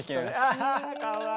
かわいい。